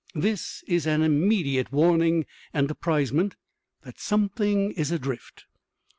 This is an immediate warning and apprisement that something is adrift.